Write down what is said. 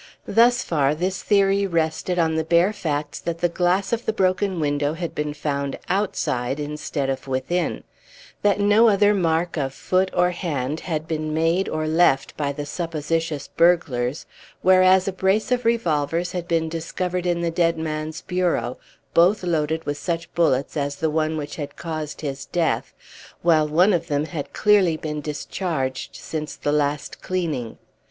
Thus far this theory rested on the bare facts that the glass of the broken window had been found outside, instead of within; that no other mark of foot or hand had been made or left by the supposititious burglars; whereas a brace of revolvers had been discovered in the dead man's bureau, both loaded with such bullets as the one which had caused his death, while one of them had clearly been discharged since the last cleaning.